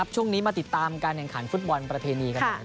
ช่วงนี้มาติดตามการแห่งขันฟุตบอลประเทณี